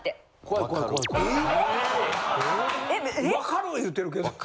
わかる言うてるけど。